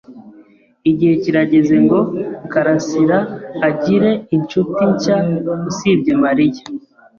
Igihe kirageze ngo Karasiraagire inshuti nshya usibye Mariya.